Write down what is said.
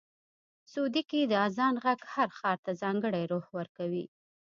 سعودي کې د اذان غږ هر ښار ته ځانګړی روح ورکوي.